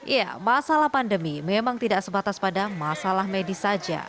ya masalah pandemi memang tidak sebatas pada masalah medis saja